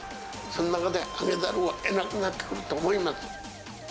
その中で上げざるをえなくなってくると思います。